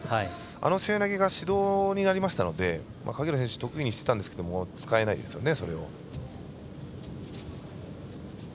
あの背負い投げが指導になりましたので影浦選手得意にしてたんですけど使えないですよね。